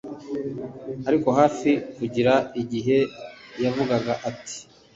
ariko hafi kurira igihe yavugaga ati